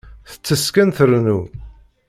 Tettess kan, trennu.